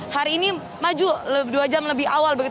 hari ini maju dua jam lebih awal